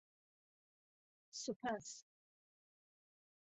سوپاس!